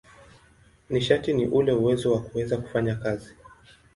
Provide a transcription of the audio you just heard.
Nishati ni ule uwezo wa kuweza kufanya kazi.